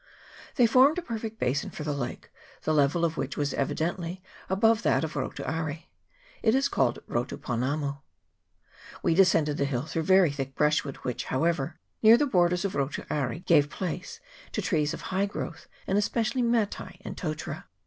They formed a perfect basin for the lake, the level of which was evidently above that of Rotu Aire. It is called Rotu Ponamu. 346 VOLCANIC MOUNTAIN [PART 11. We descended the hill through a very thick brushwood, which, however, near the borders of Rotu Aire gave place to trees of high growth, espe cially matai and totara.